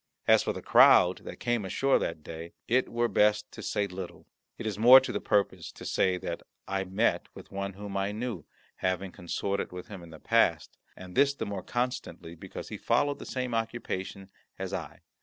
As for the crowd that came ashore that day, it were best to say little. It is more to the purpose to say that I met with one whom I knew, having consorted with him in time past, and this the more constantly because he followed the same occupation as I.